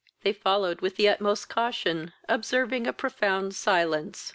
They followed with the utmost caution, observing a profound silence.